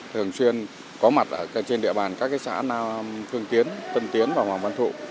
thường xuyên có mặt trên địa bàn các cái xã nam phương tiến tân tiến và hoàng văn thụ